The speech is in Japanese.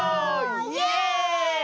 イエーイ！